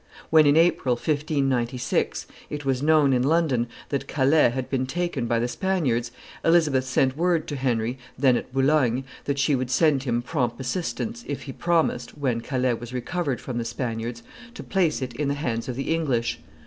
When in April, 1596, it was known in London that Calais had been taken by the Spaniards, Elizabeth sent word to Henry, then at Boulogne, that she would send him prompt assistance if he promised, when Calais was recovered from the Spaniards, to place it in the hands of the English.